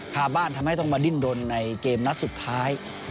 พาบ้านทำให้ต้องมาดิ้นรนในเกมนัดสุดท้าย